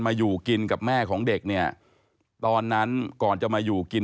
อยู่กินกับแม่ของเด็กเนี่ยตอนนั้นก่อนจะมาอยู่กิน